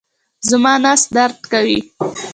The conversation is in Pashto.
زما نس درد کوي